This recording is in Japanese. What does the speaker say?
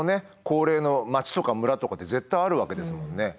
高齢の町とか村とかって絶対あるわけですもんね。